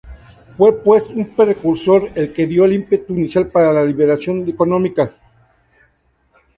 Fue pues un precursor el que dio el ímpetu inicial para la liberación económica.